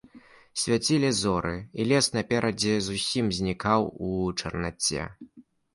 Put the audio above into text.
Свяцілі зоры, і лес наперадзе зусім знікаў у чарнаце.